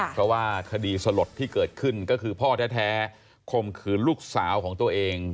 เพราะว่าคดีสลดที่เกิดขึ้นก็คือพ่อแท้คมขืนลูกสาวของตัวเอง